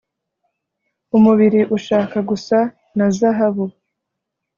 umubiri ushaka gusa na zahabu